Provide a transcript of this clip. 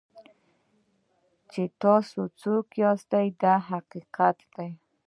چې تاسو څوک یاست دا حقیقت دی.